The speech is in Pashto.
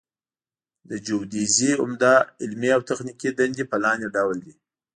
د جیودیزي عمده علمي او تخنیکي دندې په لاندې ډول دي